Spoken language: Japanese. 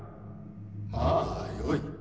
まあよい。